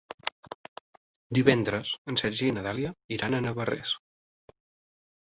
Divendres en Sergi i na Dàlia iran a Navarrés.